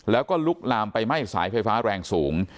แล้วก็ลุกลามไปไหม้สายไฟฟ้าแรงสูง